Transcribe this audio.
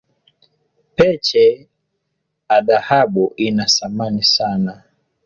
Peche a dhahabu ina samani sana